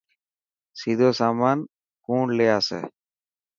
سيدو سامان ڪوڻ لي آسي.